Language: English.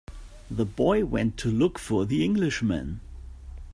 The boy went to look for the Englishman.